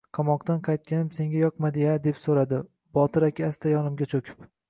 Qamoqdan qaytganim senga yoqmadi-ya, deb so`radi, Botir aka asta yonimga cho`kib